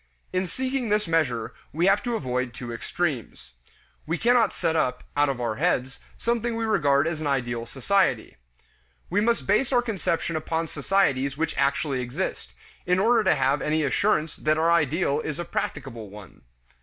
In seeking this measure, we have to avoid two extremes. We cannot set up, out of our heads, something we regard as an ideal society. We must base our conception upon societies which actually exist, in order to have any assurance that our ideal is a practicable one.